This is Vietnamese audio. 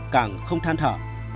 càng không than thở